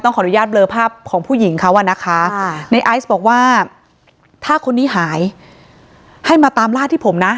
ในไอซ์บอกว่าถ้าคนนี้หายให้มาตามลาดที่ผมนะ